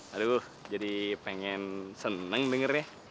aduh jadi pengen seneng dengernya